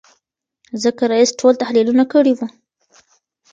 ځکه رییس ټول تحلیلونه کړي وو.